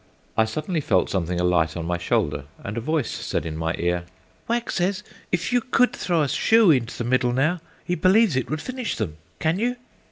I suddenly felt something alight on my shoulder, and a voice said in my ear, "Wag says if you could throw a shoe into the middle now, he believes it would finish them. Can you?"